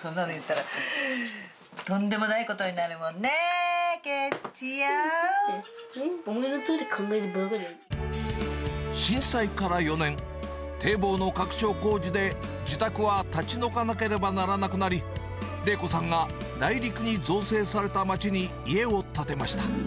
そんなの言ったら、とんでもないことになるもんね、震災から４年、堤防の拡張工事で、自宅は立ち退かなければならなくなり、玲子さんが内陸に造成された町に家を建てました。